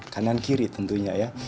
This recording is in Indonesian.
kanan kiri tentunya ya